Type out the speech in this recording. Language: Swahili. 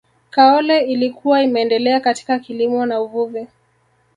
kaole ilikuwa imeendelea katika kilimo na uvuvi